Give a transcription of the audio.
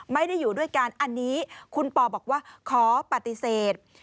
ไม่ได้อยู่ด้วยกันอันนี้คุณปอบอกว่าขอปฏิเสธ